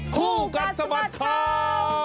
คู่กันสมัครเขา